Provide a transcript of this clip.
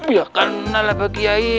ya kenal pak kiai